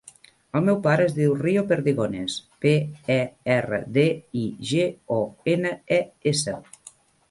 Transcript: El meu pare es diu Rio Perdigones: pe, e, erra, de, i, ge, o, ena, e, essa.